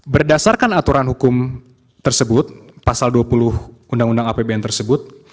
berdasarkan aturan hukum tersebut pasal dua puluh undang undang apbn tersebut